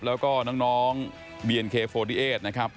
แล้วก็น้องบีเอ็นเกฟอร์สดีเอ็ดนะครับ